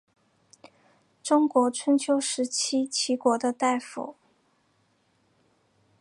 中国春秋时期齐国的大夫。